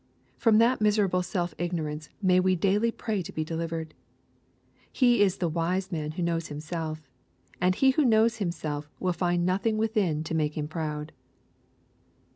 From that miserable self ignorance may we daily pray to be delivered I He is the wise man who knows himself ;— and he who knows him self, will find nothing within to make him proud.